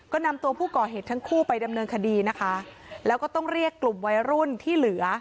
ก็นำตัวผู้ก่อเหตุทั้งคู่ไปดำเนินคดีนะคะแล้วก็ต้องเรียกกลุ่มวัยรุ่นที่เหลือ